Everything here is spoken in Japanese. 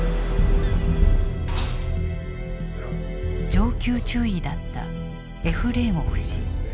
上級中尉だったエフレーモフ氏。